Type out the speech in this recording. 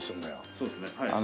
そうですねはい。